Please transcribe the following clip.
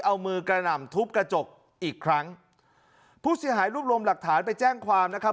เอามือกระหน่ำทุบกระจกอีกครั้งผู้เสียหายรวบรวมหลักฐานไปแจ้งความนะครับ